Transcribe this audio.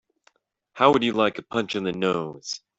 How would you like a punch in the nose?